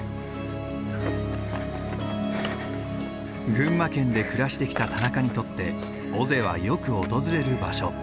群馬県で暮らしてきた田中にとって尾瀬はよく訪れる場所。